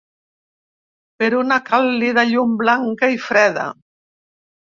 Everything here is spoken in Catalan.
Per una càlida llum blanca i freda.